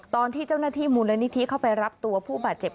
ตอนที่เจ้าหน้าที่มูลนิธิเข้าไปรับตัวผู้บาดเจ็บ